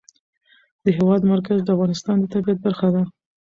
د هېواد مرکز د افغانستان د طبیعت برخه ده.